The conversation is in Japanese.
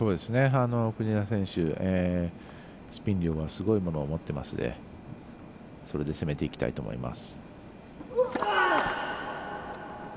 国枝選手、スピン量はすごいものを持っていますのでそれで攻めていきたいと思います。